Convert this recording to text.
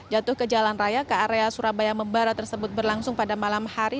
jatuh ke jalan raya ke area surabaya membara tersebut berlangsung pada malam hari